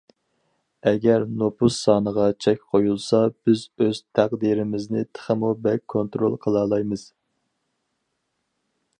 ئەگەر نوپۇس سانىغا چەك قويۇلسا، بىز ئۆز تەقدىرىمىزنى تېخىمۇ بەك كونترول قىلالايمىز.